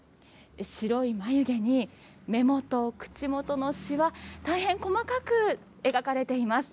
白いまゆ毛に、目元、口元のしわ、大変細かく描かれています。